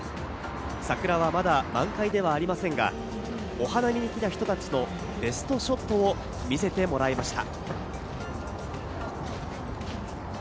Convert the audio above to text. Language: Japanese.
桜はまだ満開ではありませんが、お花見に行く人たちのベストショットを見せてもらいました。